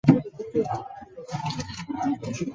之后升任一个军医院的院长。